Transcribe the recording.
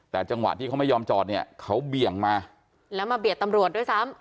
แต่จังหวะที่เขาไม่ยอมจอดเนี่ยเขาเบี่ยงมาแล้วมาเบียดตำรวจด้วยซ้ำ